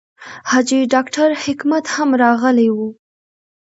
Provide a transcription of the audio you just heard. حاجي ډاکټر حکمت هم راغلی و.